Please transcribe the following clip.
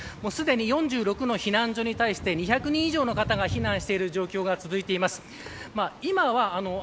すでに４６の避難所に対して１００人以上が避難している状況が続いてます。